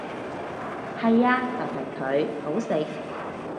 係呀就係佢，好食！